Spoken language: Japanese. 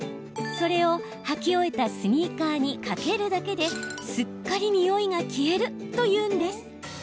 それを履き終えたスニーカーにかけるだけですっかりにおいが消えるというんです。